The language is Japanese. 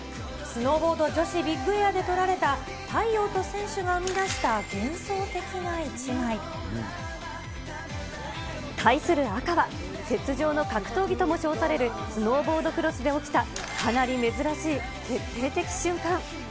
スノーボード女子ビッグエアで撮られた、太陽と選手が生み出した幻想的な１枚。対する赤は、雪上の格闘技とも称されるスノーボードクロスで起きた、かなり珍しい決定的瞬間。